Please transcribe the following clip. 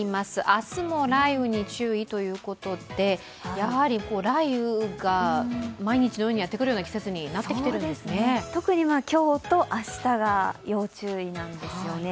明日も雷雨に注意ということでやはり雷雨が毎日のようにやってくるような季節になってきているんですね。